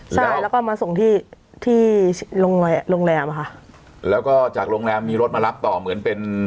ใช่แล้วก็มาส่งที่ที่โรงแรมอ่ะค่ะแล้วก็จากโรงแรมมีรถมารับต่อเหมือนเป็น